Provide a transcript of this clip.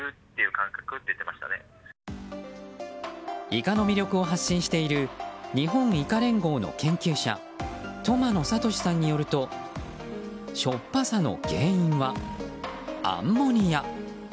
イカの魅力を発信している日本いか連合の研究者苫野哲史さんによるとしょっぱさの原因はアンモニア。